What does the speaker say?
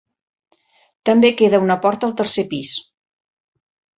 També queda una porta al tercer pis.